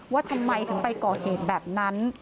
ว่าทำไมถึงไปก่อเหตุแบบนั้น